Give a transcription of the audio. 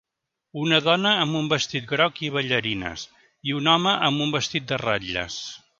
Una dona amb un vestit groc i ballarines i un home amb un vestit de ratlles.